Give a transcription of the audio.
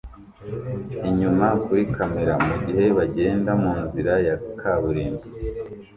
inyuma kuri kamera mugihe bagenda munzira ya kaburimbo